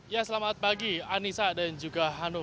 ya selamat pagi anissa dan juga hanum